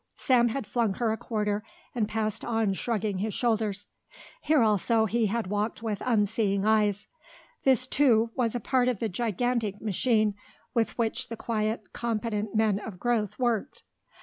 Sam had flung her a quarter and passed on shrugging his shoulders. Here also he had walked with unseeing eyes; this too was a part of the gigantic machine with which the quiet, competent men of growth worked.